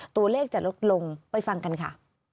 ตัวเลขจะลดลงไปฟังกันค่ะ